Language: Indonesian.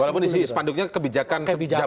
walaupun ini sih sepanduknya kebijakan jabatannya ya